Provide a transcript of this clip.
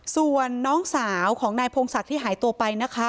ส่วนน้องสาวของนายพงศักดิ์ที่หายตัวไปนะคะ